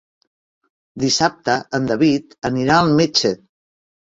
Dissabte en David anirà al metge.